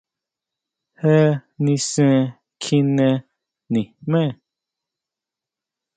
¿Jé nisen kjine nijme?